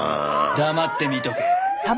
黙って見とけ。